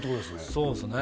そうですね